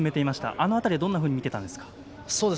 あの辺りはどんなふうに見ていたんですか？